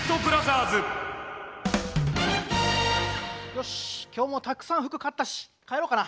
よし今日もたくさん服買ったし帰ろうかな。